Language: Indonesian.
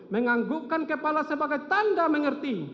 menganggukkan kepala sebagai tanda mengerti